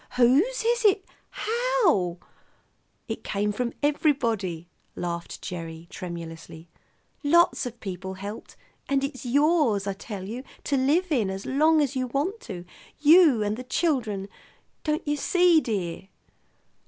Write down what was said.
Whose is it? How " "It came from everybody," laughed Gerry tremulously. "Lots of people helped. And it's yours, I tell you, to live in as long as you want to, you and the children. Don't you see, dear?"